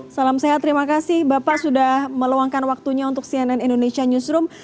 salam sehat terima kasih bapak sudah meluangkan waktunya untuk cnn indonesia newsroom